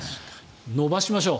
延ばしましょう。